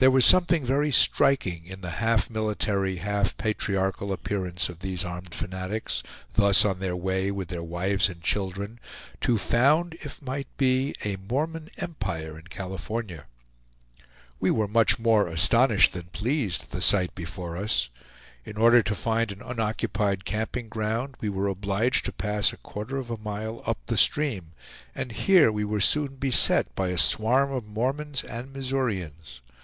There was something very striking in the half military, half patriarchal appearance of these armed fanatics, thus on their way with their wives and children, to found, if might be, a Mormon empire in California. We were much more astonished than pleased at the sight before us. In order to find an unoccupied camping ground, we were obliged to pass a quarter of a mile up the stream, and here we were soon beset by a swarm of Mormons and Missourians.